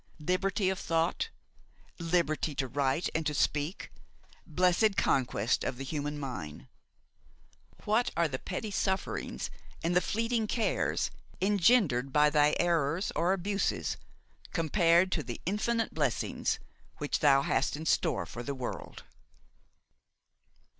Liberty of thought, liberty to write and to speak, blessed conquest of the human mind! What are the petty sufferings and the fleeting cares engendered by thy errors or abuses compared to the infinite blessings which thou hast in store for the world!